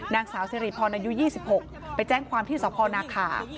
นางสาวสิริพรอายุ๒๖ไปแจ้งความที่สพนาคา